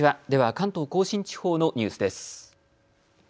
では関東甲信地方のニュースです。